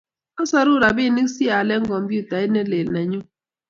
Asoru ropinik si aale komyutait ne lel nenyu